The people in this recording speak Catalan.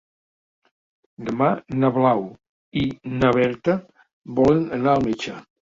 Demà na Blau i na Berta volen anar al metge.